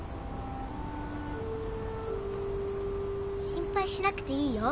心配しなくていいよ